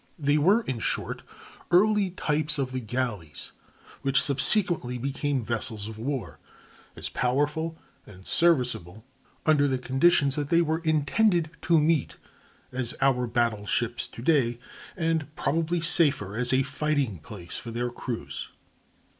They were, in short, early types of the galleys which subsequently became vessels of war as powerful and serviceable, under the conditions they were intended to meet, as are our battle ships to day, and probably safer as a fighting place for their crews.